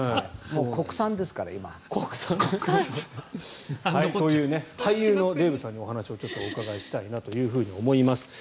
国産ですから、今。という俳優のデーブさんにお話をお伺いしたいと思います。